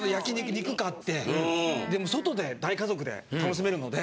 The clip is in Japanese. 肉買って外で大家族で楽しめるので。